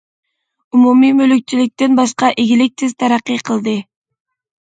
ئومۇمىي مۈلۈكچىلىكتىن باشقا ئىگىلىك تېز تەرەققىي قىلدى.